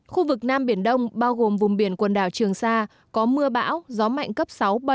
khu vực nam biển đông bao gồm vùng biển quần đảo trường sa có mưa bão gió mạnh cấp sáu bảy